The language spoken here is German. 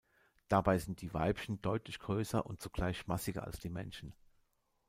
Dabei sind die Weibchen deutlich größer und zugleich massiger als die Männchen.